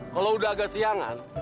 kalo udah agak siangan